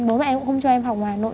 bố mẹ em cũng không cho em học ở hà nội